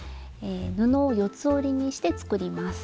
布を四つ折りにして作ります。